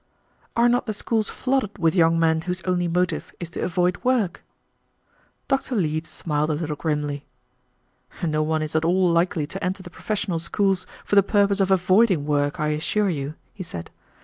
"Are not the schools flooded with young men whose only motive is to avoid work?" Dr. Leete smiled a little grimly. "No one is at all likely to enter the professional schools for the purpose of avoiding work, I assure you," he said.